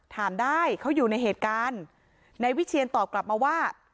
ถามได้เขาอยู่ในเหตุการณ์นายวิเชียนตอบกลับมาว่า